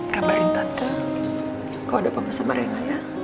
kamarin tante kau dapat sama rina ya